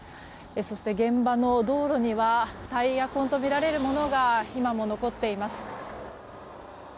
そして、現場の道路にはタイヤ痕とみられるものが今も残っています。